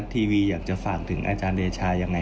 เดี๋ยวคุณแม่จะเอาแมนมาจ่ายไม่ต้องกลัว